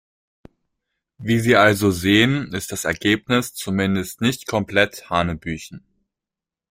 Wie Sie also sehen, ist das Ergebnis zumindest nicht komplett hanebüchen.